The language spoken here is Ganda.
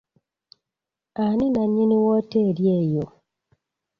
Ani nnanyini woteeri eyo?